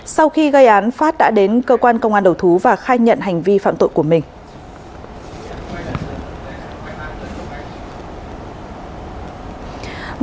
sau khi gây án phát đã đến cơ quan công an đầu thú và khai nhận hành vi phạm tội của mình